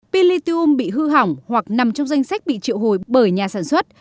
pin lithium bị hư hỏng hoặc nằm trong danh sách bị triệu hồi bởi nhà sản xuất